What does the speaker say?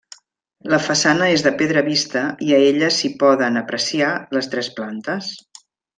La façana és de pedra vista i a ella s'hi poden apreciar les tres plantes.